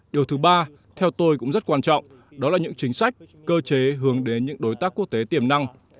điều thứ ba theo tôi cũng rất quan trọng đó là những chính sách cơ chế hướng đến những đối tác quốc tế tiềm năng